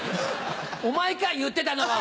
お前か言ってたのは。